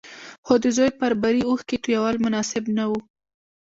خو د زوی پر بري اوښکې تويول مناسب نه وو.